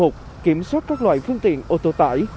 c năm một kiểm soát các loại phương tiện ô tô tải